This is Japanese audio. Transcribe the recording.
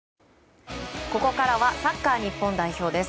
ここからはサッカー日本代表です。